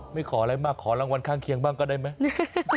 ไม่ขออะไรมากขอรางวัลข้างเคียงบ้างก็ได้ไหม